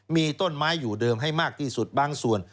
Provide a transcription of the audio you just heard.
มีต้นไม้อยู่เดิมให้มากที่สุดบางส่วน